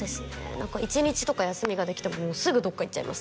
何か１日とか休みができてもすぐどっか行っちゃいます